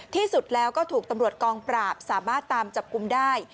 ที่สุดแล้วก็ถูกตำรวจกองปราบสามารถตามจับกลุ่มได้